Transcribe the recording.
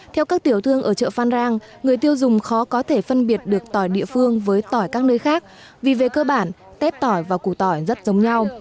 theo các tiểu thương ở chợ phan rang người tiêu dùng khó có thể phân biệt được tỏi địa phương với tỏi các nơi khác vì về cơ bản tép tỏi và củ tỏi rất giống nhau